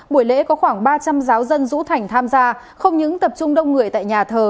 buổi lễ có khoảng ba trăm linh giáo dân dũ thành tham gia không những tập trung đông người tại nhà thờ